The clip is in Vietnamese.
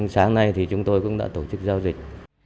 sáng nay thì chúng tôi cũng đã tổ chức giao dịch